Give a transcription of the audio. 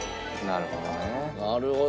なるほど。